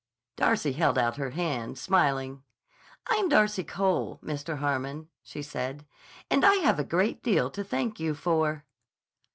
Darcy held out her hand, smiling. "I'm Darcy Cole, Mr. Harmon," she said. "And I have a great deal to thank you for."